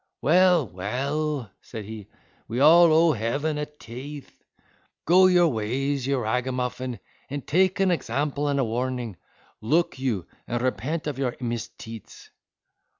"Well, well," said he, "we all owe heaven a teath. Go your ways, you ragamuffin, and take an example and a warning, look you, and repent of your misteets."